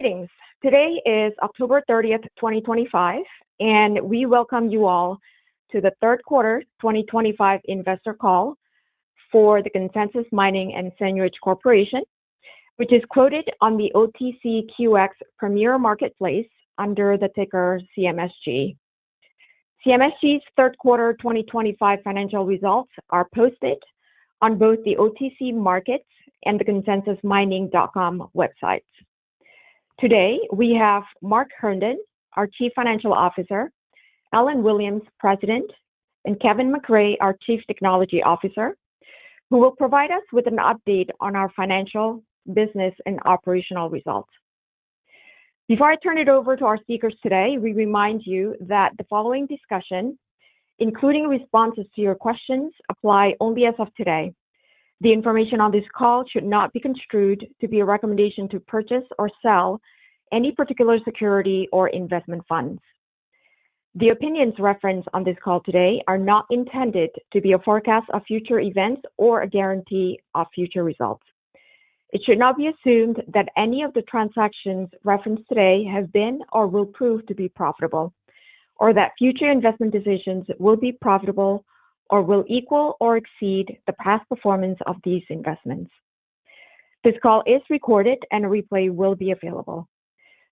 Greetings. Today is October 30th, 2025, and we welcome you all to the Third Quarter 2025 Investor Call for the Consensus Mining & Seigniorage Corporation, which is quoted on the OTCQX Premier Marketplace under the ticker CMSG. CMSG's Third Quarter 2025 financial results are posted on both the OTC markets and the consensusmining.com websites. Today, we have Mark Herndon, our Chief Financial Officer, Alun Williams, President, and Kevin McRae, our Chief Technology Officer, who will provide us with an update on our financial, business, and operational results. Before I turn it over to our speakers today, we remind you that the following discussion, including responses to your questions, applies only as of today. The information on this call should not be construed to be a recommendation to purchase or sell any particular security or investment funds. The opinions referenced on this call today are not intended to be a forecast of future events or a guarantee of future results. It should not be assumed that any of the transactions referenced today have been or will prove to be profitable, or that future investment decisions will be profitable or will equal or exceed the past performance of these investments. This call is recorded, and a replay will be available.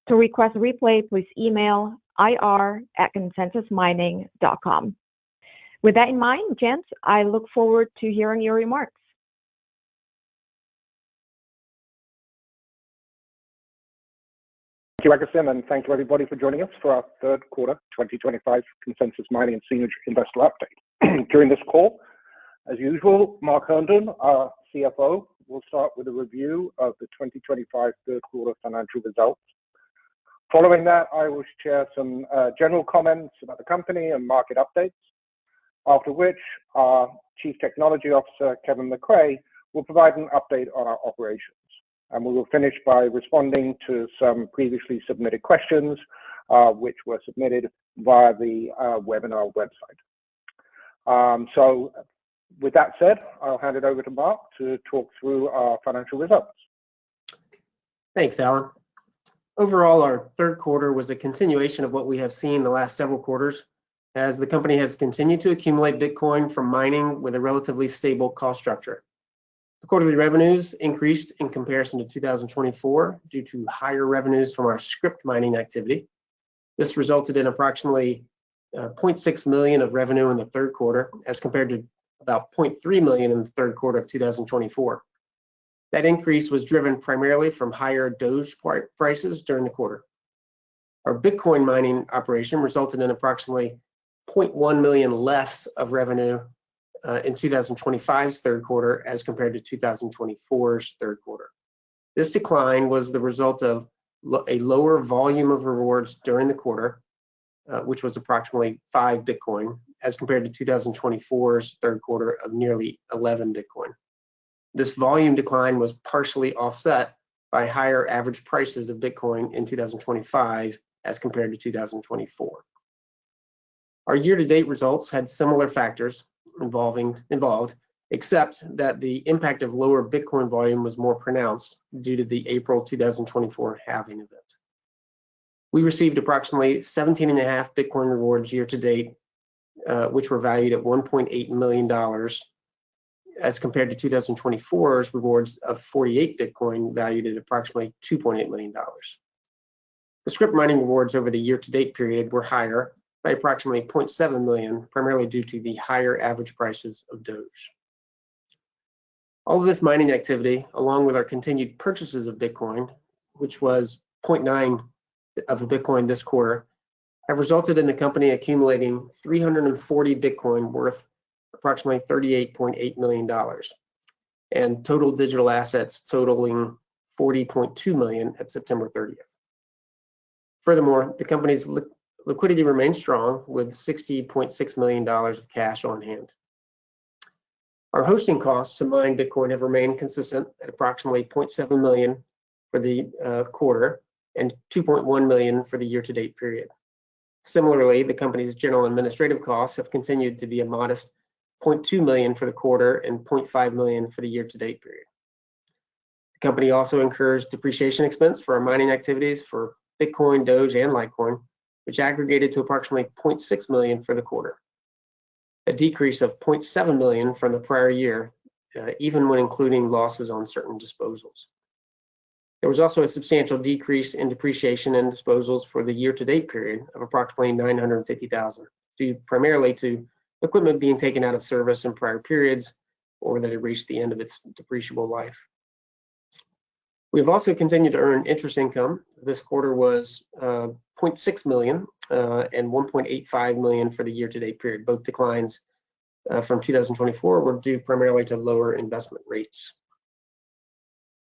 To request a replay, please email ir@consensusmining.com. With that in mind, gents, I look forward to hearing your remarks. Thank you, Augustine, and thank you, everybody, for joining us for our Third Quarter 2025 Consensus Mining & Seigniorage Investor Update. During this call, as usual, Mark Herndon, our CFO, will start with a review of the 2025 Third Quarter financial results. Following that, I will share some general comments about the company and market updates, after which our Chief Technology Officer, Kevin McRae, will provide an update on our operations. And we will finish by responding to some previously submitted questions, which were submitted via the webinar website. So, with that said, I'll hand it over to Mark to talk through our financial results. Thanks, Alun. Overall, our third quarter was a continuation of what we have seen the last several quarters, as the company has continued to accumulate Bitcoin from mining with a relatively stable cost structure. The quarterly revenues increased in comparison to 2024 due to higher revenues from our Scrypt mining activity. This resulted in approximately $0.6 million of revenue in the third quarter, as compared to about $0.3 million in the third quarter of 2024. That increase was driven primarily from higher Doge prices during the quarter. Our Bitcoin mining operation resulted in approximately $0.1 million less of revenue in 2025's third quarter as compared to 2024's third quarter. This decline was the result of a lower volume of rewards during the quarter, which was approximately five Bitcoin, as compared to 2024's third quarter of nearly 11 Bitcoin. This volume decline was partially offset by higher average prices of Bitcoin in 2025 as compared to 2024. Our year-to-date results had similar factors involved, except that the impact of lower Bitcoin volume was more pronounced due to the April 2024 halving event. We received approximately 17.5 Bitcoin rewards year-to-date, which were valued at $1.8 million, as compared to 2024's rewards of 48 Bitcoin, valued at approximately $2.8 million. The Scrypt mining rewards over the year-to-date period were higher by approximately $0.7 million, primarily due to the higher average prices of Doge. All of this mining activity, along with our continued purchases of Bitcoin, which was 0.9 of a Bitcoin this quarter, have resulted in the company accumulating 340 Bitcoin worth approximately $38.8 million and total digital assets totaling $40.2 million at September 30th. Furthermore, the company's liquidity remained strong, with $60.6 million of cash on hand. Our hosting costs to mine Bitcoin have remained consistent at approximately $0.7 million for the quarter and $2.1 million for the year-to-date period. Similarly, the company's general administrative costs have continued to be a modest $0.2 million for the quarter and $0.5 million for the year-to-date period. The company also incurred depreciation expense for our mining activities for Bitcoin, Doge, and Litecoin, which aggregated to approximately $0.6 million for the quarter, a decrease of $0.7 million from the prior year, even when including losses on certain disposals. There was also a substantial decrease in depreciation and disposals for the year-to-date period of approximately $950,000, primarily due to equipment being taken out of service in prior periods or that it reached the end of its depreciable life. We have also continued to earn interest income. This quarter was $0.6 million and $1.85 million for the year-to-date period. Both declines from 2024 were due primarily to lower investment rates.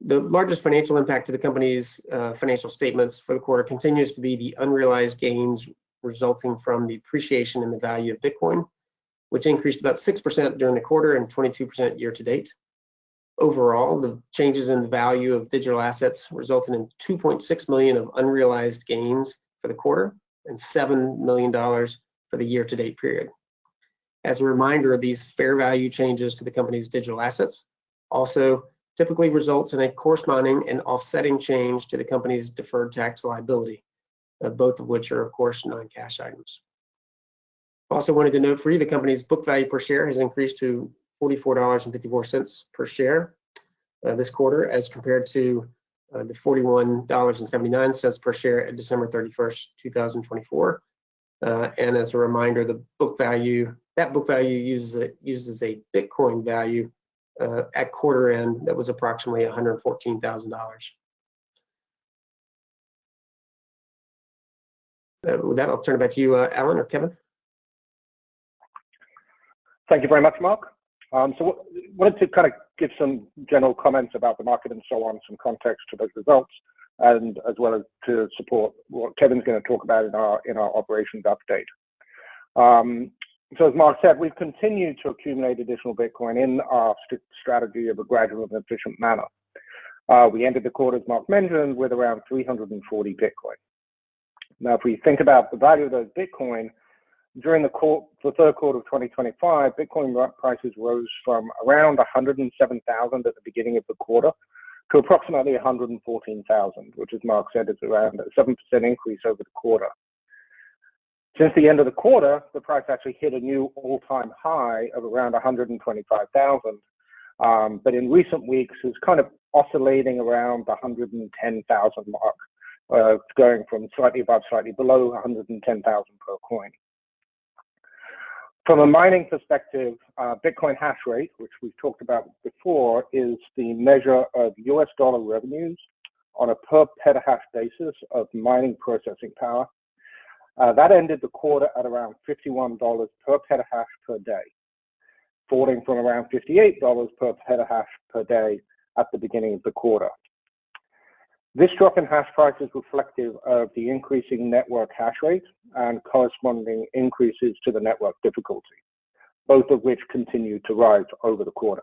The largest financial impact to the company's financial statements for the quarter continues to be the unrealized gains resulting from the appreciation in the value of Bitcoin, which increased about 6% during the quarter and 22% year-to-date. Overall, the changes in the value of digital assets resulted in $2.6 million of unrealized gains for the quarter and $7 million for the year-to-date period. As a reminder, these fair value changes to the company's digital assets also typically result in a corresponding and offsetting change to the company's deferred tax liability, both of which are, of course, non-cash items. I also wanted to note for you the company's book value per share has increased to $44.54 per share this quarter, as compared to the $41.79 per share at December 31st, 2024. As a reminder, that book value uses a Bitcoin value at quarter-end that was approximately $114,000. With that, I'll turn it back to you, Alun or Kevin. Thank you very much, Mark. So I wanted to kind of give some general comments about the market and so on, some context to those results, and as well as to support what Kevin's going to talk about in our operations update. So, as Mark said, we've continued to accumulate additional Bitcoin in our strategy of a gradual and efficient manner. We ended the quarter, as Mark mentioned, with around 340 Bitcoin. Now, if we think about the value of those Bitcoin, during the Third Quarter of 2025, Bitcoin prices rose from around $107,000 at the beginning of the quarter to approximately $114,000, which, as Mark said, is around a 7% increase over the quarter. Since the end of the quarter, the price actually hit a new all-time high of around $125,000. In recent weeks, it was kind of oscillating around the 110,000 mark, going from slightly above, slightly below 110,000 per coin. From a mining perspective, Bitcoin hash rate, which we've talked about before, is the measure of US dollar revenues on a per-petahash basis of mining processing power. That ended the quarter at around $51 per petahash per day, falling from around $58 per petahash per day at the beginning of the quarter. This drop in hash price is reflective of the increasing network hash rate and corresponding increases to the network difficulty, both of which continued to rise over the quarter,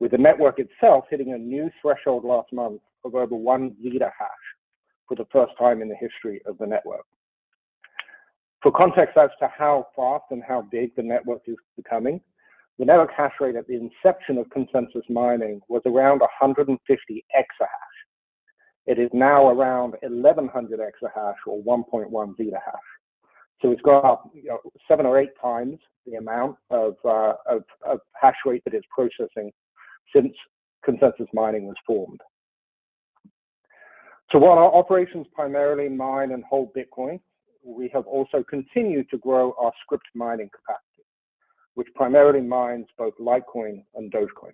with the network itself hitting a new threshold last month of over one zettahash for the first time in the history of the network. For context as to how fast and how big the network is becoming, the network hash rate at the inception of Consensus Mining was around 150 exahash. It is now around 1,100 exahash or 1.1 zettahash. So it's got up seven or eight times the amount of hash rate that it's processing since Consensus Mining was formed. So while our operations primarily mine and hold Bitcoin, we have also continued to grow our Scrypt mining capacity, which primarily mines both Litecoin and Dogecoin.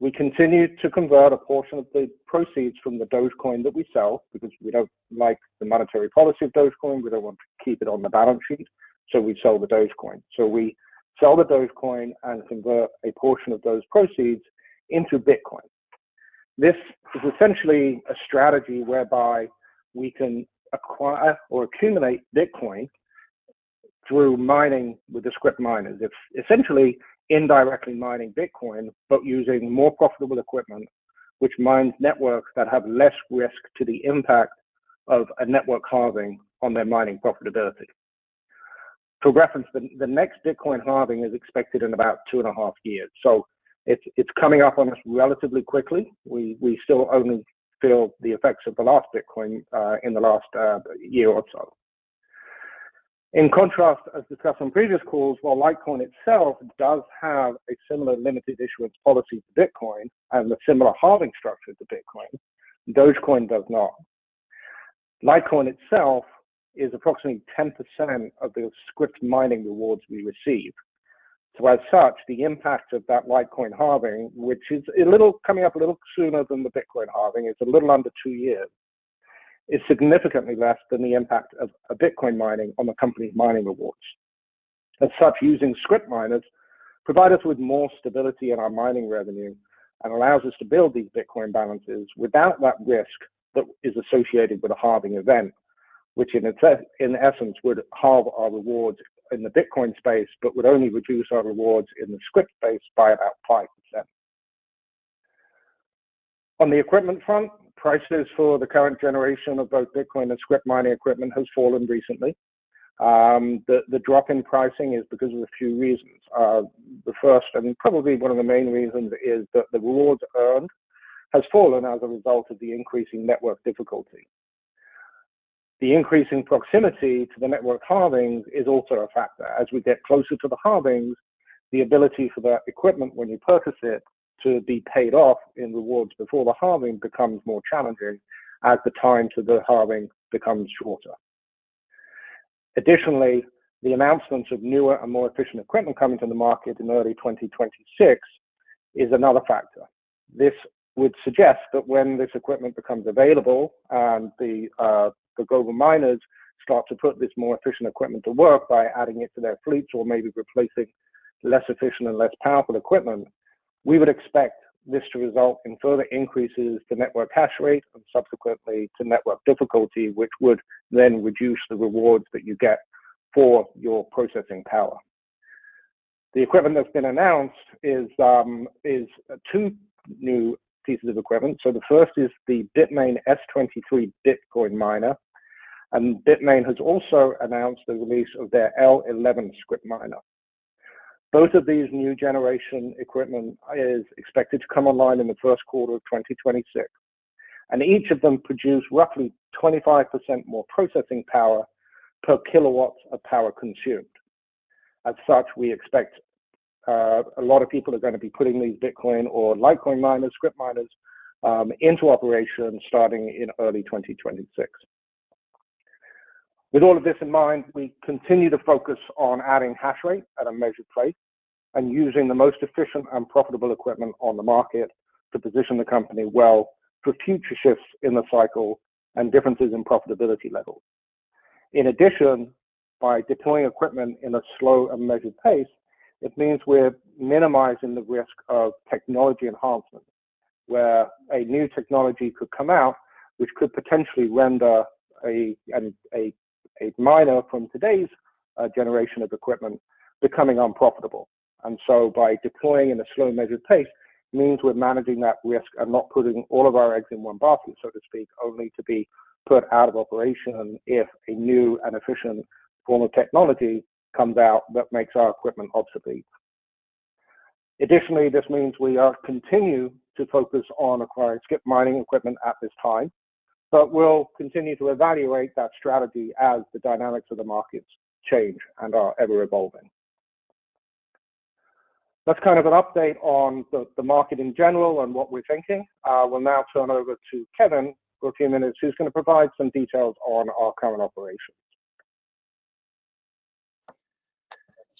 We continue to convert a portion of the proceeds from the Dogecoin that we sell because we don't like the monetary policy of Dogecoin. We don't want to keep it on the balance sheet, so we sell the Dogecoin. So we sell the Dogecoin and convert a portion of those proceeds into Bitcoin. This is essentially a strategy whereby we can acquire or accumulate Bitcoin through mining with the Scrypt miners, essentially indirectly mining Bitcoin, but using more profitable equipment, which mines networks that have less risk to the impact of a network halving on their mining profitability. For reference, the next Bitcoin halving is expected in about two and a half years. So it's coming up on us relatively quickly. We still only feel the effects of the last Bitcoin halving in the last year or so. In contrast, as discussed on previous calls, while Litecoin itself does have a similar limited issuance policy to Bitcoin and a similar halving structure to Bitcoin, Dogecoin does not. Litecoin itself is approximately 10% of the Scrypt mining rewards we receive. So, as such, the impact of that Litecoin halving, which is coming up a little sooner than the Bitcoin halving, it's a little under two years, is significantly less than the impact of a Bitcoin halving on the company's mining rewards. As such, using Scrypt miners provides us with more stability in our mining revenue and allows us to build these Bitcoin balances without that risk that is associated with a halving event, which, in essence, would halve our rewards in the Bitcoin space, but would only reduce our rewards in the Scrypt space by about 5%. On the equipment front, prices for the current generation of both Bitcoin and Scrypt mining equipment have fallen recently. The drop in pricing is because of a few reasons. The first, and probably one of the main reasons, is that the rewards earned have fallen as a result of the increasing network difficulty. The increasing proximity to the network halvings is also a factor. As we get closer to the halvings, the ability for the equipment, when you purchase it, to be paid off in rewards before the halving becomes more challenging as the time to the halving becomes shorter. Additionally, the announcements of newer and more efficient equipment coming to the market in early 2026 is another factor. This would suggest that when this equipment becomes available and the global miners start to put this more efficient equipment to work by adding it to their fleets or maybe replacing less efficient and less powerful equipment, we would expect this to result in further increases to network hash rate and subsequently to network difficulty, which would then reduce the rewards that you get for your processing power. The equipment that's been announced is two new pieces of equipment. The first is the BITMAIN S23 Bitcoin Miner, and BITMAIN has also announced the release of their L11 Scrypt miner. Both of these new generation equipment are expected to come online in the first quarter of 2026, and each of them produces roughly 25% more processing power per kilowatt of power consumed. As such, we expect a lot of people are going to be putting these Bitcoin or Litecoin miners, Scrypt miners, into operation starting in early 2026. With all of this in mind, we continue to focus on adding hash rate at a measured rate and using the most efficient and profitable equipment on the market to position the company well for future shifts in the cycle and differences in profitability levels. In addition, by deploying equipment in a slow and measured pace, it means we're minimizing the risk of technology enhancement, where a new technology could come out, which could potentially render a miner from today's generation of equipment becoming unprofitable. And so, by deploying in a slow and measured pace, it means we're managing that risk and not putting all of our eggs in one basket, so to speak, only to be put out of operation if a new and efficient form of technology comes out that makes our equipment obsolete. Additionally, this means we continue to focus on acquiring Scrypt mining equipment at this time, but we'll continue to evaluate that strategy as the dynamics of the markets change and are ever-evolving. That's kind of an update on the market in general and what we're thinking. We'll now turn over to Kevin for a few minutes, who's going to provide some details on our current operations.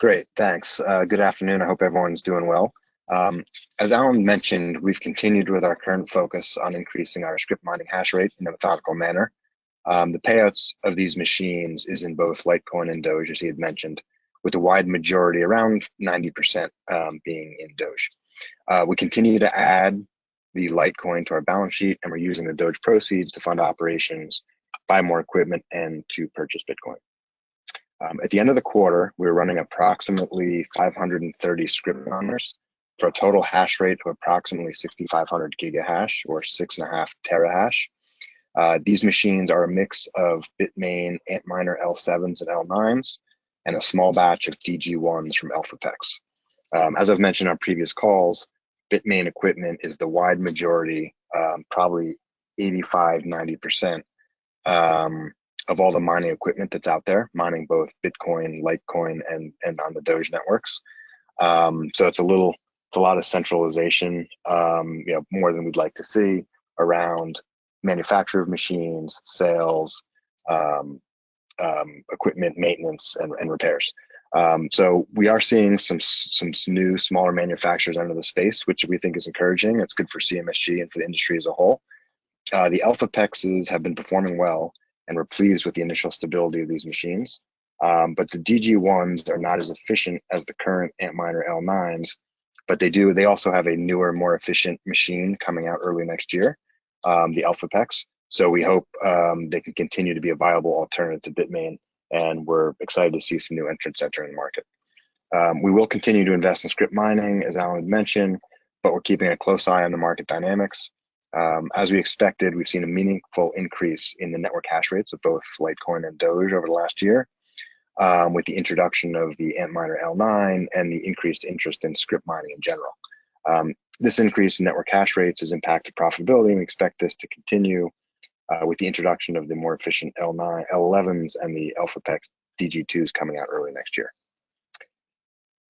Great. Thanks. Good afternoon. I hope everyone's doing well. As Alun mentioned, we've continued with our current focus on increasing our Scrypt mining hash rate in a methodical manner. The payouts of these machines are in both Litecoin and Doge, as he had mentioned, with the wide majority, around 90%, being in Doge. We continue to add the Litecoin to our balance sheet, and we're using the Doge proceeds to fund operations, buy more equipment, and to purchase Bitcoin. At the end of the quarter, we're running approximately 530 Scrypt miners for a total hash rate of approximately 6,500 gigahash or 6.5 terahash. These machines are a mix of BITMAIN Antminer L7s and L9s and a small batch of DG1s from ElphaPex. As I've mentioned on previous calls, BITMAIN equipment is the wide majority, probably 85%, 90% of all the mining equipment that's out there, mining both Bitcoin, Litecoin, and on the Doge networks. So it's a lot of centralization, more than we'd like to see around manufacture of machines, sales, equipment maintenance, and repairs. So we are seeing some new smaller manufacturers in the space, which we think is encouraging. It's good for CMSG and for the industry as a whole. The ElphaPexes have been performing well and we're pleased with the initial stability of these machines. But the DG1s are not as efficient as the current Antminer L9s, but they also have a newer, more efficient machine coming out early next year, the ElphaPex. So we hope they can continue to be a viable alternative to BITMAIN, and we're excited to see some new entrants entering the market. We will continue to invest in Scrypt mining, as Alun mentioned, but we're keeping a close eye on the market dynamics. As we expected, we've seen a meaningful increase in the network hash rates of both Litecoin and Doge over the last year with the introduction of the Antminer L9 and the increased interest in Scrypt mining in general. This increase in network hash rates has impacted profitability, and we expect this to continue with the introduction of the more efficient L11s and the ElphaPex DG2s coming out early next year.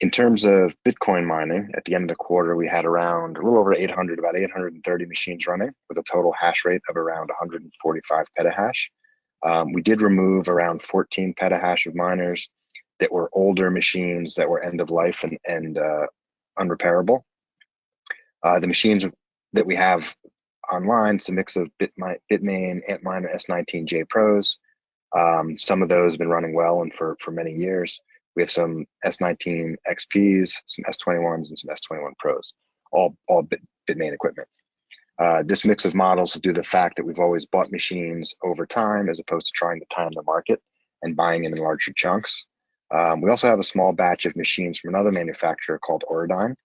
In terms of Bitcoin mining, at the end of the quarter, we had around a little over 800, about 830 machines running with a total hash rate of around 145 petahash. We did remove around 14 petahash of miners that were older machines that were end-of-life and unrepairable. The machines that we have online are a mix of BITMAIN Antminer S19j Pros. Some of those have been running well for many years. We have some S19 XPs, some S21s, and some S21 Pros, all BITMAIN equipment. This mix of models is due to the fact that we've always bought machines over time as opposed to trying to time the market and buying in larger chunks. We also have a small batch of machines from another manufacturer called Auradine.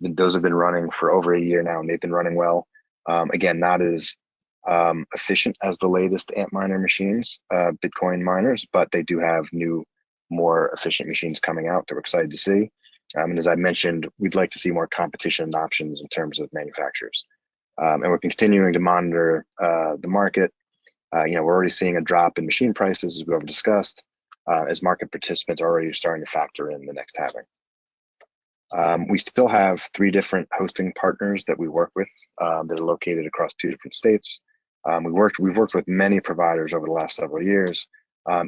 Those have been running for over a year now, and they've been running well. Again, not as efficient as the latest Antminer machines, Bitcoin miners, but they do have new, more efficient machines coming out that we're excited to see, and as I mentioned, we'd like to see more competition options in terms of manufacturers, and we're continuing to monitor the market. We're already seeing a drop in machine prices, as we've discussed, as market participants are already starting to factor in the next halving. We still have three different hosting partners that we work with that are located across two different states. We've worked with many providers over the last several years.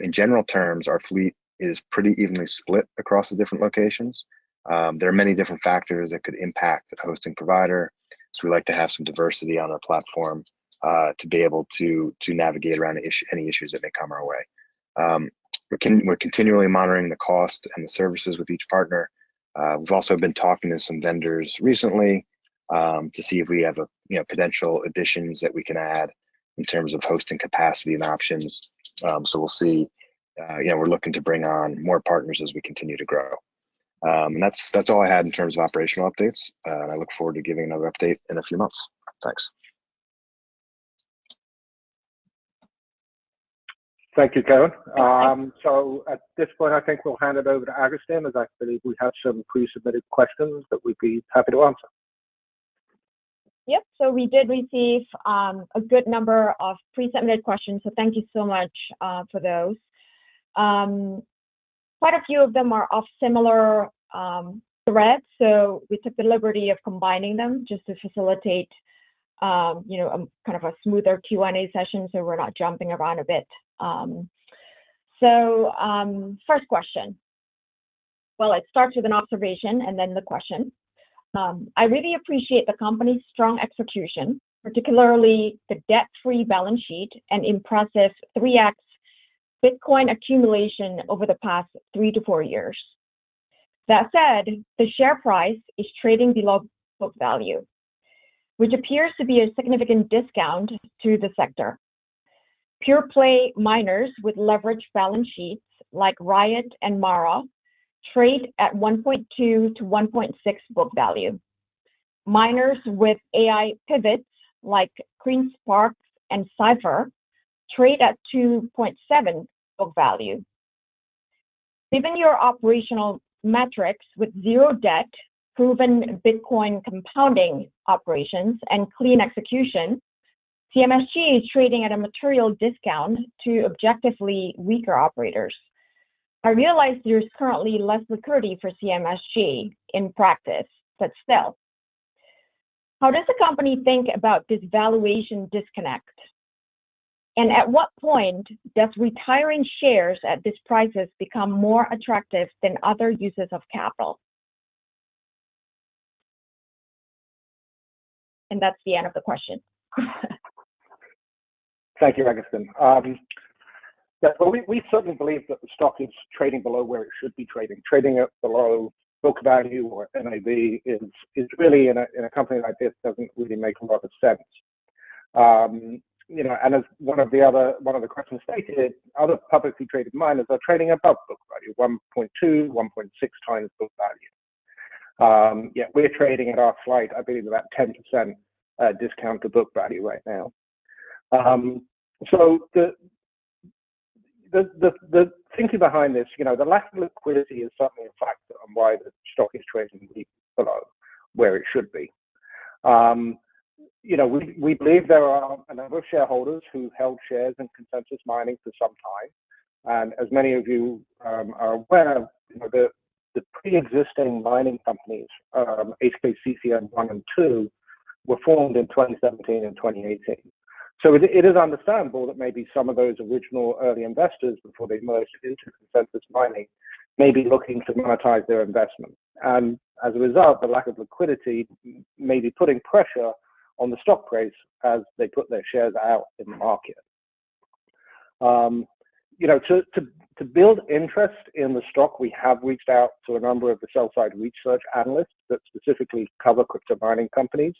In general terms, our fleet is pretty evenly split across the different locations. There are many different factors that could impact the hosting provider, so we like to have some diversity on our platform to be able to navigate around any issues that may come our way. We're continually monitoring the cost and the services with each partner. We've also been talking to some vendors recently to see if we have potential additions that we can add in terms of hosting capacity and options. So we'll see. We're looking to bring on more partners as we continue to grow. That's all I had in terms of operational updates, and I look forward to giving another update in a few months. Thanks. Thank you, Kevin. So at this point, I think we'll hand it over to Augustine, as I believe we have some pre-submitted questions that we'd be happy to answer. Yep. So we did receive a good number of pre-submitted questions, so thank you so much for those. Quite a few of them are of similar thread, so we took the liberty of combining them just to facilitate kind of a smoother Q&A session so we're not jumping around a bit. So first question. Well, it starts with an observation and then the question. I really appreciate the company's strong execution, particularly the debt-free balance sheet and impressive 3x Bitcoin accumulation over the past three to four years. That said, the share price is trading below book value, which appears to be a significant discount to the sector. Pure-play miners with leveraged balance sheets like RIOT and MARA trade at 1.2-1.6 book value. Miners with AI pivots like CleanSpark and Cipher trade at 2.7 book value. Given your operational metrics with zero debt, proven Bitcoin compounding operations, and clean execution, CMSG is trading at a material discount to objectively weaker operators. I realize there's currently less liquidity for CMSG in practice, but still. How does the company think about this valuation disconnect? And at what point does retiring shares at this price become more attractive than other uses of capital? And that's the end of the question. Thank you, Augustine. We certainly believe that the stock is trading below where it should be trading. Trading it below book value or NAV is really, in a company like this, doesn't really make a lot of sense, and as one of the other questions stated, other publicly traded miners are trading above book value, 1.2, 1.6x book value. Yeah, we're trading at our slight, I believe, about 10% discount to book value right now, so the thinking behind this, the lack of liquidity is certainly a factor on why the stock is trading below where it should be. We believe there are a number of shareholders who held shares in Consensus Mining for some time, and as many of you are aware, the pre-existing mining companies, HKCCN 1 and 2, were formed in 2017 and 2018. It is understandable that maybe some of those original early investors before they merged into Consensus Mining may be looking to monetize their investment. And as a result, the lack of liquidity may be putting pressure on the stock price as they put their shares out in the market. To build interest in the stock, we have reached out to a number of the sell-side research analysts that specifically cover crypto mining companies,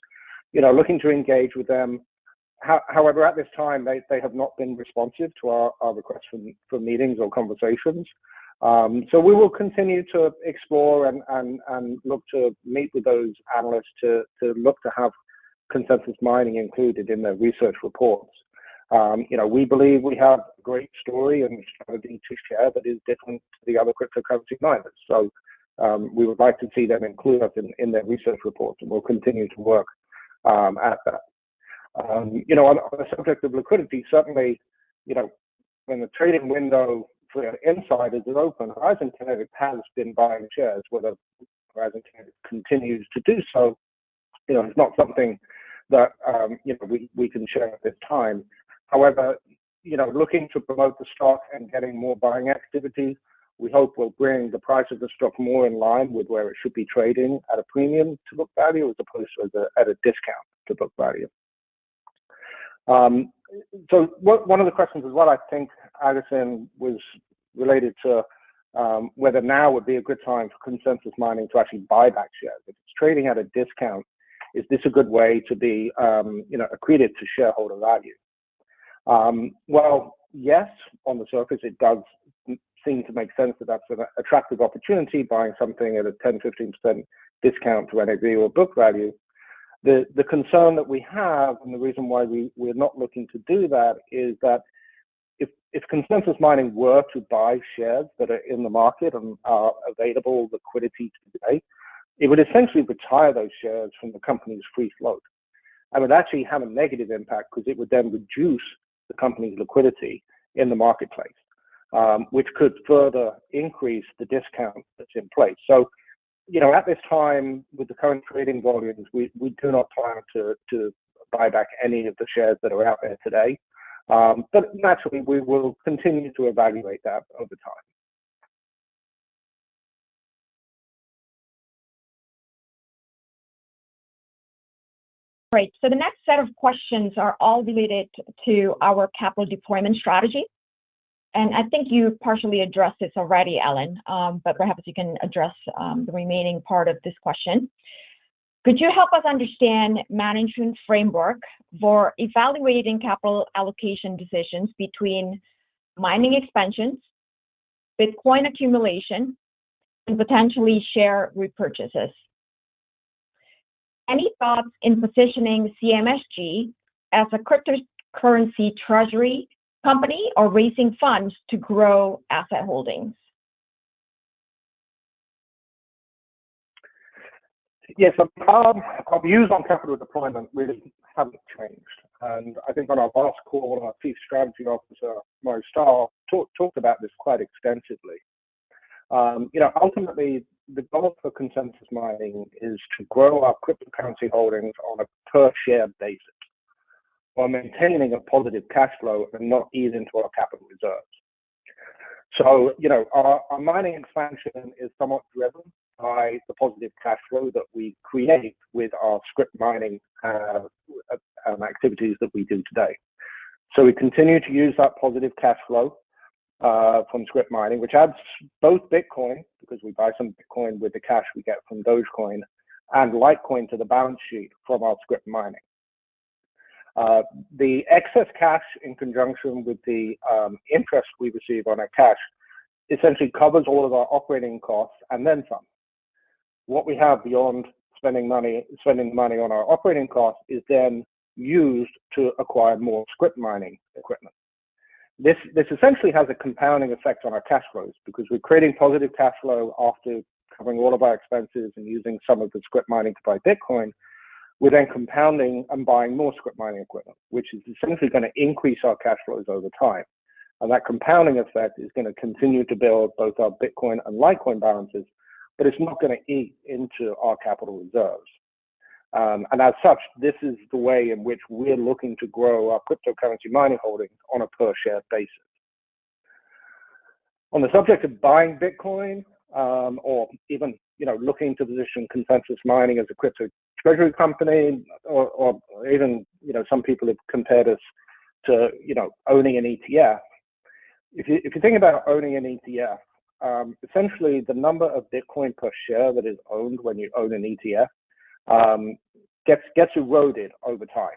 looking to engage with them. However, at this time, they have not been responsive to our requests for meetings or conversations. We will continue to explore and look to meet with those analysts to look to have Consensus Mining included in their research reports. We believe we have a great story and strategy to share that is different to the other cryptocurrency miners. So we would like to see them include us in their research reports, and we'll continue to work at that. On the subject of liquidity, certainly, when the trading window for insiders is open, Horizon Kinetics has been buying shares, whether Horizon Kinetics continues to do so. It's not something that we can share at this time. However, looking to promote the stock and getting more buying activity, we hope we'll bring the price of the stock more in line with where it should be trading at a premium to book value as opposed to at a discount to book value. So one of the questions as well, I think, Augustine, was related to whether now would be a good time for Consensus Mining to actually buy back shares. If it's trading at a discount, is this a good way to be accredited to shareholder value? Well, yes, on the surface, it does seem to make sense that that's an attractive opportunity, buying something at a 10%-15% discount to NAV or book value. The concern that we have and the reason why we're not looking to do that is that if Consensus Mining were to buy shares that are in the market and are available, liquidity today, it would essentially retire those shares from the company's free float. And it would actually have a negative impact because it would then reduce the company's liquidity in the marketplace, which could further increase the discount that's in place. So at this time, with the current trading volumes, we do not plan to buy back any of the shares that are out there today. But naturally, we will continue to evaluate that over time. Great. So the next set of questions are all related to our capital deployment strategy. And I think you partially addressed this already, Alun, but perhaps you can address the remaining part of this question. Could you help us understand management framework for evaluating capital allocation decisions between mining expansions, Bitcoin accumulation, and potentially share repurchases? Any thoughts in positioning CMSG as a cryptocurrency treasury company or raising funds to grow asset holdings? Yes. Our views on capital deployment really haven't changed. And I think on our last call, our Chief Strategy Officer, Murray Stahl, talked about this quite extensively. Ultimately, the goal for Consensus Mining is to grow our cryptocurrency holdings on a per-share basis while maintaining a positive cash flow and not ease into our capital reserves. So our mining expansion is somewhat driven by the positive cash flow that we create with our Scrypt mining activities that we do today. So we continue to use that positive cash flow from Scrypt mining, which adds both Bitcoin because we buy some Bitcoin with the cash we get from Dogecoin and Litecoin to the balance sheet from our Scrypt mining. The excess cash, in conjunction with the interest we receive on our cash, essentially covers all of our operating costs and then some. What we have beyond spending money on our operating costs is then used to acquire more Scrypt mining equipment. This essentially has a compounding effect on our cash flows because we're creating positive cash flow after covering all of our expenses and using some of the Scrypt mining to buy Bitcoin. We're then compounding and buying more Scrypt mining equipment, which is essentially going to increase our cash flows over time. And that compounding effect is going to continue to build both our Bitcoin and Litecoin balances, but it's not going to eat into our capital reserves. And as such, this is the way in which we're looking to grow our cryptocurrency mining holdings on a per-share basis. On the subject of buying Bitcoin or even looking to position Consensus Mining as a crypto treasury company, or even some people have compared us to owning an ETF, if you think about owning an ETF, essentially the number of Bitcoin per share that is owned when you own an ETF gets eroded over time.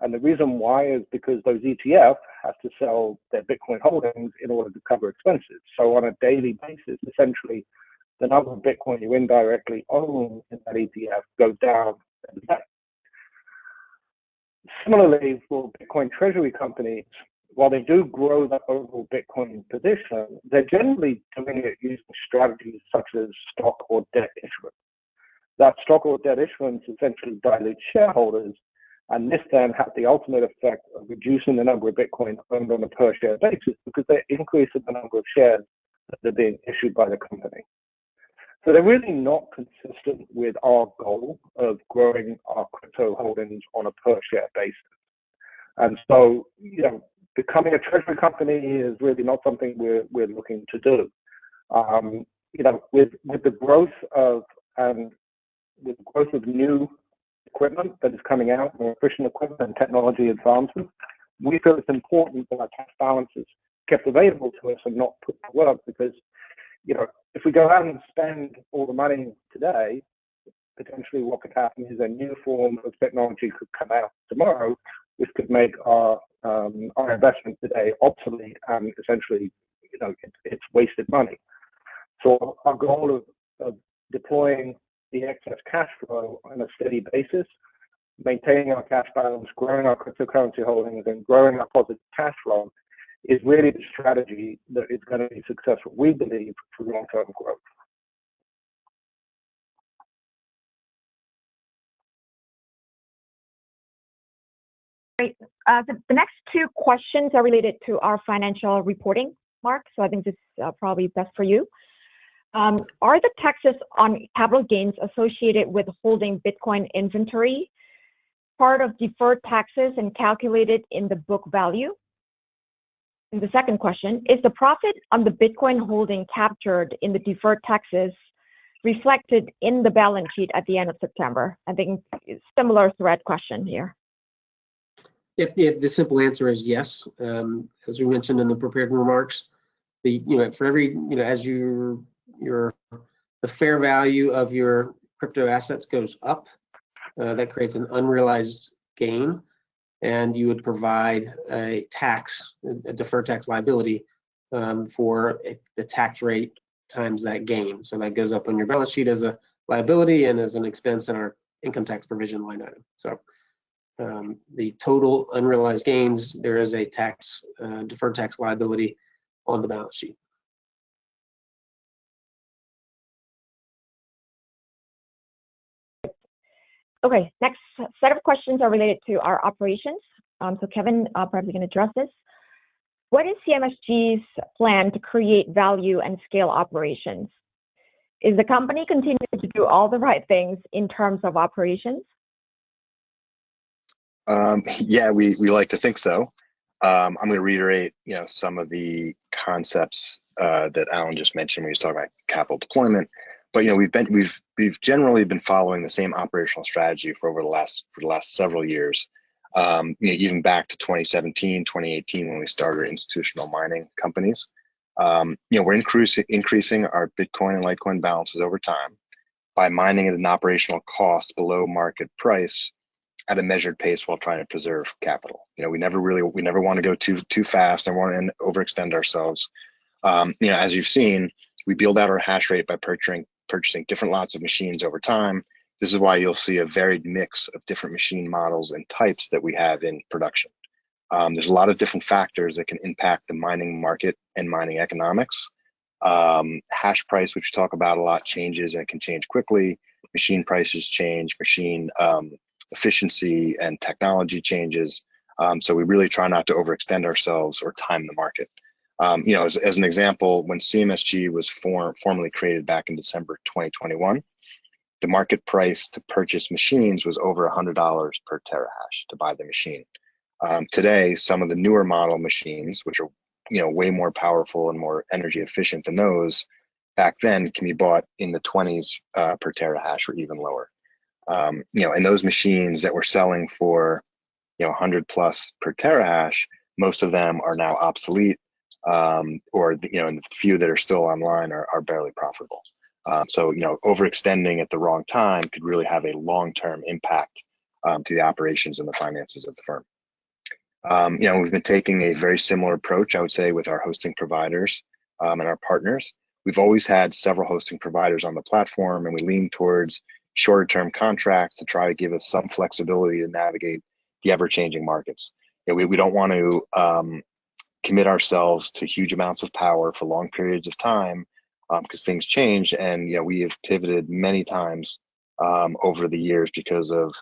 And the reason why is because those ETFs have to sell their Bitcoin holdings in order to cover expenses. On a daily basis, essentially, the number of Bitcoin you indirectly own in that ETF goes down every day. Similarly, for Bitcoin treasury companies, while they do grow the overall Bitcoin position, they're generally doing it using strategies such as stock or debt issuance. That stock or debt issuance essentially dilutes shareholders, and this then has the ultimate effect of reducing the number of Bitcoin owned on a per-share basis because they're increasing the number of shares that are being issued by the company, so they're really not consistent with our goal of growing our crypto holdings on a per-share basis, and so becoming a treasury company is really not something we're looking to do. With the growth of new equipment that is coming out and efficient equipment and technology advancement, we feel it's important that our cash balances are kept available to us and not put to work because if we go out and spend all the money today, potentially what could happen is a new form of technology could come out tomorrow, which could make our investment today obsolete and essentially it's wasted money. So our goal of deploying the excess cash flow on a steady basis, maintaining our cash balance, growing our cryptocurrency holdings, and growing our positive cash flow is really the strategy that is going to be successful, we believe, for long-term growth. Great. The next two questions are related to our financial reporting, Mark, so I think this is probably best for you. Are the taxes on capital gains associated with holding Bitcoin inventory part of deferred taxes and calculated in the book value? And the second question, is the profit on the Bitcoin holding captured in the deferred taxes reflected in the balance sheet at the end of September? I think similar thread question here. The simple answer is yes. As we mentioned in the prepared remarks, for every as your fair value of your crypto assets goes up, that creates an unrealized gain, and you would provide a deferred tax liability for the tax rate times that gain. So that goes up on your balance sheet as a liability and as an expense in our income tax provision line item. So the total unrealized gains, there is a deferred tax liability on the balance sheet. Okay. Next set of questions are related to our operations. So Kevin probably can address this. What is CMSG's plan to create value and scale operations? Is the company continuing to do all the right things in terms of operations? Yeah, we like to think so. I'm going to reiterate some of the concepts that Alun just mentioned when he was talking about capital deployment. But we've generally been following the same operational strategy for the last several years, even back to 2017, 2018 when we started institutional mining companies. We're increasing our Bitcoin and Litecoin balances over time by mining at an operational cost below market price at a measured pace while trying to preserve capital. We never want to go too fast and want to overextend ourselves. As you've seen, we build out our hash rate by purchasing different lots of machines over time. This is why you'll see a varied mix of different machine models and types that we have in production. There's a lot of different factors that can impact the mining market and mining economics. Hash price, which we talk about a lot, changes and can change quickly. Machine prices change, machine efficiency and technology changes. So we really try not to overextend ourselves or time the market. As an example, when CMSG was formally created back in December 2021, the market price to purchase machines was over $100 per terahash to buy the machine. Today, some of the newer model machines, which are way more powerful and more energy efficient than those, back then can be bought in the $20s per terahash or even lower. And those machines that we're selling for $100 plus per terahash, most of them are now obsolete, or the few that are still online are barely profitable. So overextending at the wrong time could really have a long-term impact to the operations and the finances of the firm. We've been taking a very similar approach, I would say, with our hosting providers and our partners. We've always had several hosting providers on the platform, and we lean towards shorter-term contracts to try to give us some flexibility to navigate the ever-changing markets. We don't want to commit ourselves to huge amounts of power for long periods of time because things change, and we have pivoted many times over the years because of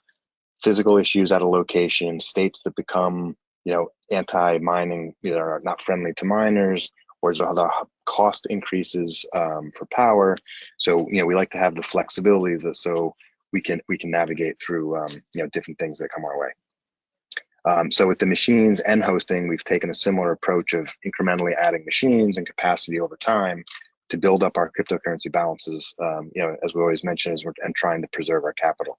physical issues at a location, states that become anti-mining, not friendly to miners, or there are other cost increases for power, so we like to have the flexibility so we can navigate through different things that come our way, so with the machines and hosting, we've taken a similar approach of incrementally adding machines and capacity over time to build up our cryptocurrency balances, as we always mention, and trying to preserve our capital.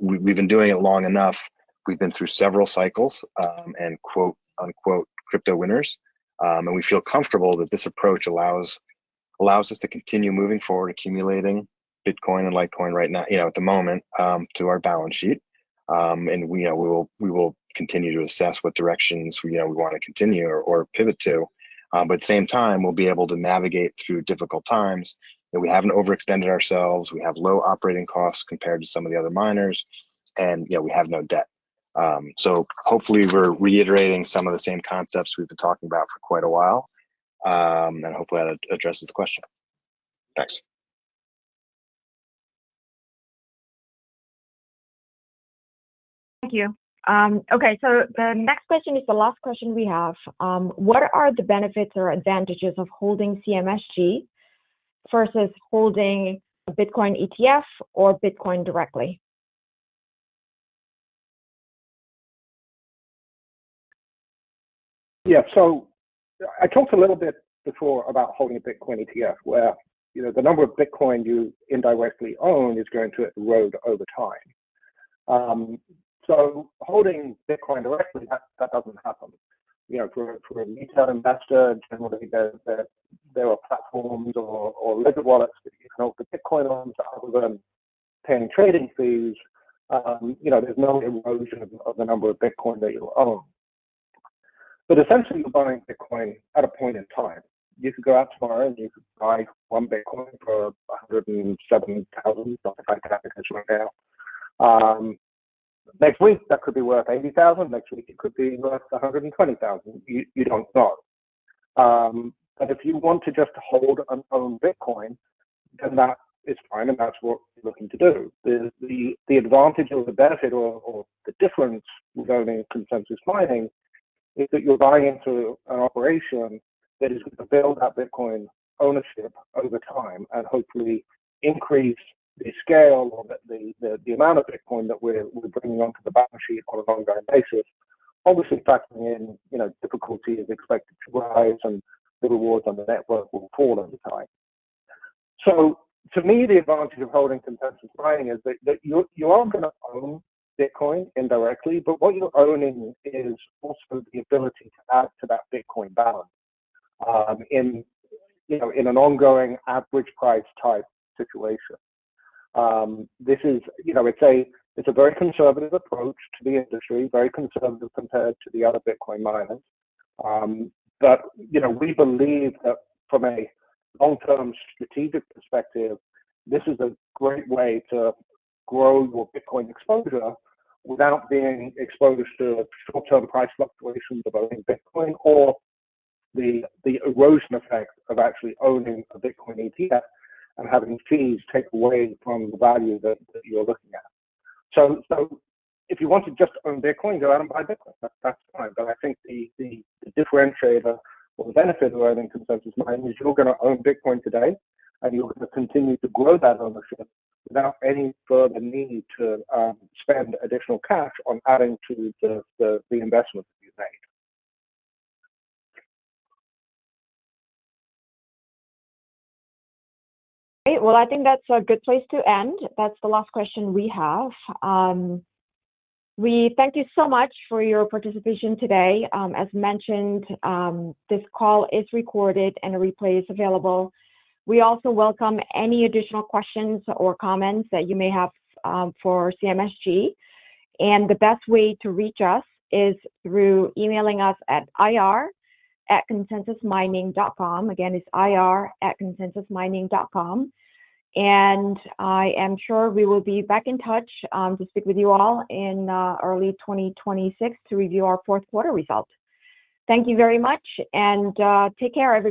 We've been doing it long enough. We've been through several cycles and "crypto winners," and we feel comfortable that this approach allows us to continue moving forward, accumulating Bitcoin and Litecoin right now at the moment to our balance sheet. We will continue to assess what directions we want to continue or pivot to. But at the same time, we'll be able to navigate through difficult times. We haven't overextended ourselves. We have low operating costs compared to some of the other miners, and we have no debt. Hopefully, we're reiterating some of the same concepts we've been talking about for quite a while, and hopefully, that addresses the question. Thanks. Thank you. Okay. So the next question is the last question we have. What are the benefits or advantages of holding CMSG versus holding a Bitcoin ETF or Bitcoin directly? Yeah. So I talked a little bit before about holding a Bitcoin ETF, where the number of Bitcoin you indirectly own is going to erode over time. So holding Bitcoin directly, that doesn't happen. For a retail investor, generally, there are platforms or liquid wallets that you can hold the Bitcoin on. So other than paying trading fees, there's no erosion of the number of Bitcoin that you'll own. But essentially, you're buying Bitcoin at a point in time. You could go out tomorrow and you could buy one Bitcoin for $107,000. Not if I can help it because right now, next week, that could be worth $80,000. Next week, it could be worth $120,000. You don't know. But if you want to just hold and own Bitcoin, then that is fine, and that's what you're looking to do. The advantage or the benefit or the difference with owning Consensus Mining is that you're buying into an operation that is going to build that Bitcoin ownership over time and hopefully increase the scale or the amount of Bitcoin that we're bringing onto the balance sheet on a long-term basis, obviously factoring in difficulty is expected to rise and the rewards on the network will fall over time. So to me, the advantage of holding Consensus Mining is that you are going to own Bitcoin indirectly, but what you're owning is also the ability to add to that Bitcoin balance in an ongoing average price type situation. It's a very conservative approach to the industry, very conservative compared to the other Bitcoin miners. But we believe that from a long-term strategic perspective, this is a great way to grow your Bitcoin exposure without being exposed to short-term price fluctuations of owning Bitcoin or the erosion effect of actually owning a Bitcoin ETF and having fees take away from the value that you're looking at. So if you want to just own Bitcoin, go out and buy Bitcoin. That's fine. But I think the differentiator or the benefit of owning Consensus Mining is you're going to own Bitcoin today, and you're going to continue to grow that ownership without any further need to spend additional cash on adding to the investment that you've made. Great. Well, I think that's a good place to end. That's the last question we have. We thank you so much for your participation today. As mentioned, this call is recorded and a replay is available. We also welcome any additional questions or comments that you may have for CMSG, and the best way to reach us is through emailing us at ir@consensusmining.com. Again, it's ir@consensusmining.com, and I am sure we will be back in touch to speak with you all in early 2026 to review our fourth quarter results. Thank you very much, and take care everyone.